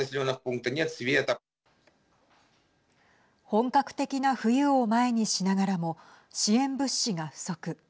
本格的な冬を前にしながらも支援物資が不足。